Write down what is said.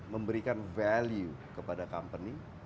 memberikan value kepada company